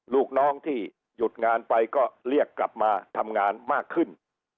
ลูกน้องที่หยุดงานไปก็เรียกกลับมาทำงานมากขึ้น